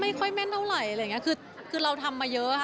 ไม่ค่อยแม่นเท่าไหร่อะไรอย่างเงี้ยคือเราทำมาเยอะค่ะ